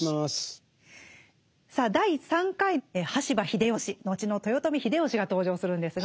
さあ第３回羽柴秀吉後の豊臣秀吉が登場するんですが。